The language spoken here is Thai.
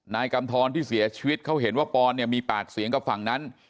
นายกำทรที่เสียชีวิตเขาเห็นว่าปอนเนี่ยมีปากเสียงกับฝั่งนั้น